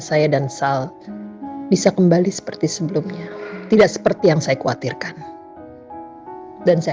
saya dan sal bisa kembali seperti sebelumnya tidak seperti yang saya khawatirkan dan saya